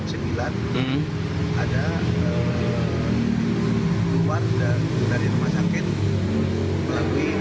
ada keluar dari rs umi